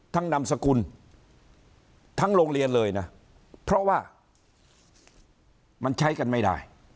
นามสกุลทั้งโรงเรียนเลยนะเพราะว่ามันใช้กันไม่ได้